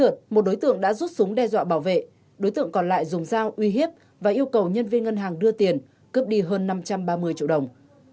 súng đe dọa bảo vệ đối tượng còn lại dùng dao uy hiếp và yêu cầu nhân viên ngân hàng đưa tiền cướp đi hơn năm trăm ba mươi triệu đồng